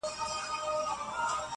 له منګولو او له زامي د زمریو -